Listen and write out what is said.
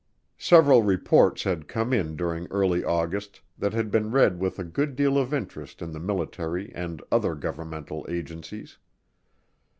Several reports had come in during early August that had been read with a good deal of interest in the military and other governmental agencies.